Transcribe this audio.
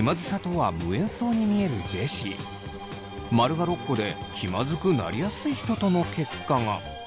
○が６個で気まずくなりやすい人との結果が。